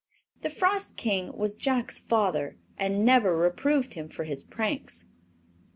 The Frost King was Jack's father and never reproved him for his pranks.